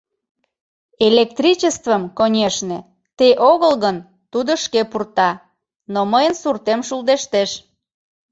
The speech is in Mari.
Электричествым, конешне, те огыл гын, тудо шке пурта, но мыйын суртем шулдештеш.